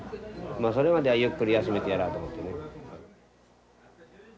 まあそれまではゆっくり休めてやらんと思ってね。